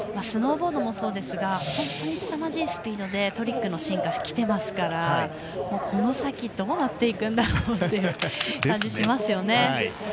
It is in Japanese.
スノーボードもそうですが本当にすさまじいスピードでトリックの進化が来ているのでこの先、どうなっていくんだろうって感じがしますよね。